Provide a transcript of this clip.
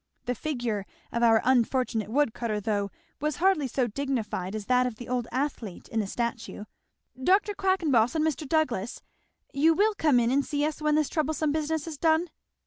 The figure of our unfortunate wood cutter though, was hardly so dignified as that of the old athlete in the statue. Dr. Quackenboss, and Mr. Douglass, you will come in and see us when this troublesome business is done?"